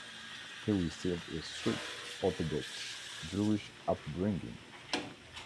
He received a strict Orthodox Jewish upbringing.